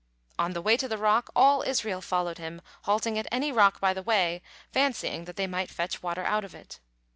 On the way to the rock all Israel followed him, halting at any rock by the way, fancying that they might fetch water out of it.